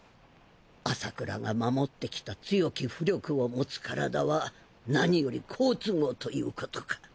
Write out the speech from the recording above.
麻倉が守ってきた強き巫力を持つ体は何より好都合ということか。